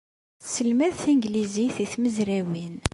Tesselmad tanglizit i tmezrawin.